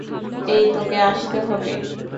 এই, তোকে আসতে হবে!